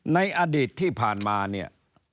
ในอดีตที่ผ่านมาเนี่ย